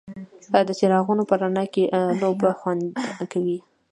د څراغونو په رڼا کې لوبه خوند کوي.